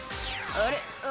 あれ？